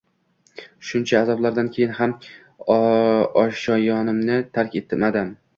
Shuncha azoblardan keyin ham oshyonimni tark etmadim